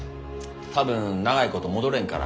多分長いこと戻れんから。